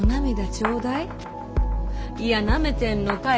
頂戴いやなめてんのかい？